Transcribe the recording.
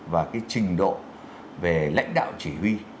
và cái trình độ về lãnh đạo chỉ huy